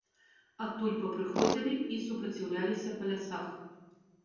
Адтуль папрыходзілі і супраціўляліся па лясах.